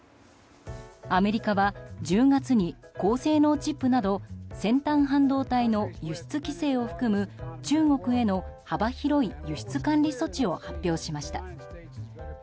アメリカは１０月に高性能チップなど先端半導体の輸出規制を含む中国への幅広い輸出管理措置を発表しました。